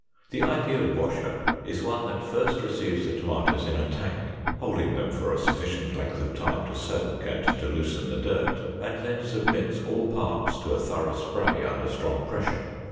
The ideal washer is one that first receives the tomatoes in a tank, holding them for a sufficient length of time to soak and to loosen the dirt, and then submits all parts to a thorough spray under strong pressure.